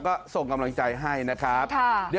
ก็ส่งกำลังใจให้นะครับ